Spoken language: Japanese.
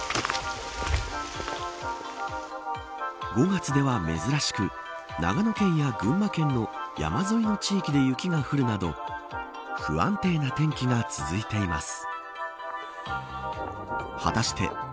５月では珍しく長野県や群馬県の山沿いの地域で雪が降るなど不安定な天気が続いています。